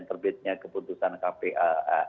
terbitnya keputusan kpa